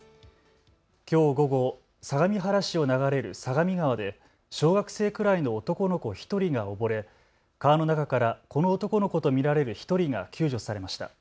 きょう午後、相模原市を流れる相模川で小学生くらいの男の子１人が溺れ、川の中からこの男の子と見られる１人が救助されました。